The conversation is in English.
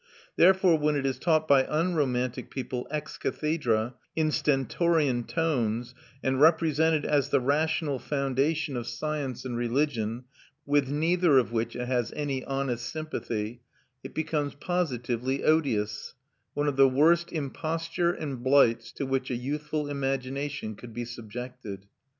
Therefore when it is taught by unromantic people ex cathedra, in stentorian tones, and represented as the rational foundation of science and religion, with neither of which it has any honest sympathy, it becomes positively odious one of the worst imposture and blights to which a youthful imagination could be subjected.